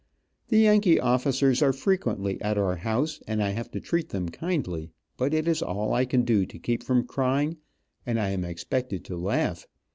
The Yankee officers are frequently at our house, and I have to treat them kindly, but it is all I can do to keep from crying, and I am expected to laugh.